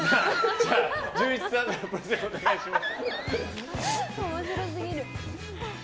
じゅんいちさんからプレゼンお願いします。